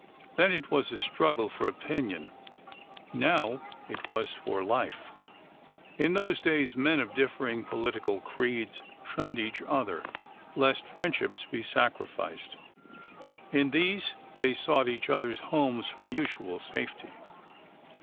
Then it was a struggle for opinion ; now, it was for life. In those days, men of differing political creeds shunned each other lest friendships be sacrificed ; in these, they sought each other's homes for mutual safety.